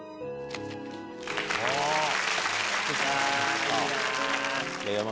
あいいな。